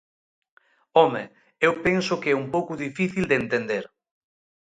¡Home!, eu penso que é un pouco difícil de entender.